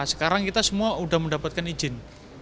sekarang kita semua sudah mendapatkan izin